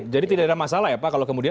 jadi tidak ada masalah ya pak kalau kemudian